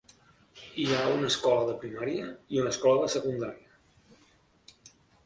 Hi ha una escola de primària i una escola de secundària.